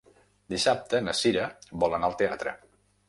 Dissabte na Sira vol anar al teatre.